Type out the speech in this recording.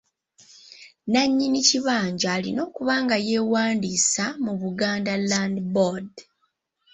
Nnannyini kibanja alina okuba nga yeewandiisa mu Buganda Land Board.